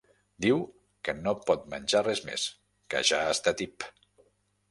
Diu que no pot menjar res més, que ja està tip.